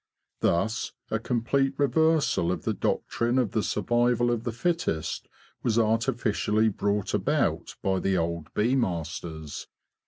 Thus a complete reversal of the doctrine of the survival of the fittest was artificially brought about by the old bee masters.